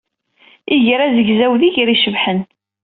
Iger azegzaw d iger icebḥen.